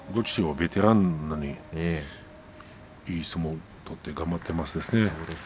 ベテランでいい相撲を取って頑張ってますね。